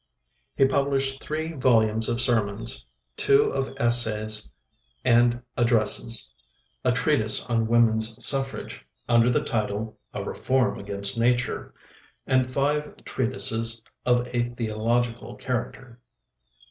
He published three volumes of sermons, two of essays and addresses, a treatise on Women's Suffrage, under the title 'A Reform against Nature,' and five treatises of a theological character.